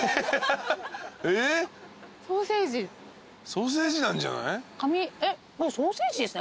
ソーセージなんじゃない？